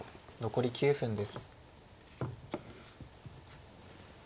残り９分です。